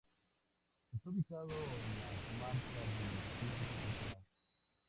Está ubicado en la comarca de la Sierra de Alcaraz.